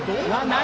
何？